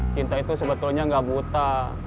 cinta itu sebetulnya gak buta